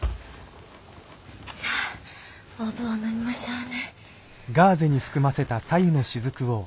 さあおぶを飲みましょうね。